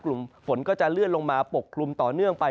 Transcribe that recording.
กลุ่มฝนก็จะเลื่อนลงมาปกคลุมต่อเนื่องไป